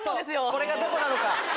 これがどこなのか。